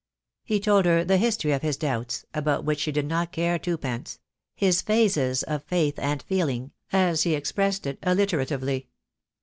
He told her the history of his doubts, about which she did not care twopence — his "phases of faith and feeling," as he expressed it alliteratively.